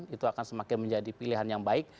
itu akan semakin menjadi pilihan yang baik